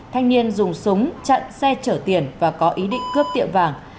thanh niên dùng súng chặn xe chở tiền và có ý định cướp tiệm vàng